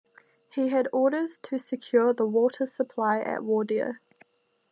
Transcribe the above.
He had orders to secure the water supply at Wardair.